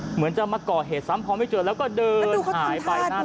เหมือนจะมาก่อเหตุซ้ำพอไม่เจอแล้วก็เดินหายไปนั่น